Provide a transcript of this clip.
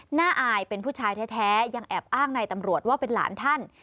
อายเป็นผู้ชายแท้ยังแอบอ้างในตำรวจว่าเป็นหลานท่าน